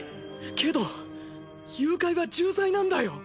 けど誘拐は重罪なんだよ！